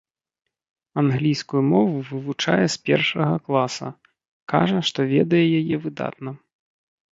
Англійскую мову вывучае з першага класа, кажа што ведае яе выдатна.